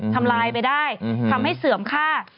ทำลายไปได้ทำให้เสื่อมค่า